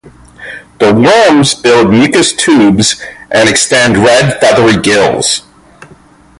The worms build mucus tubes and extend red feathery gills.